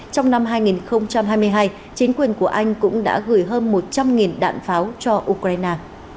trong năm hai nghìn hai mươi hai chính quyền của anh cũng đã gửi hơn một trăm linh đạn pháo cho ukraine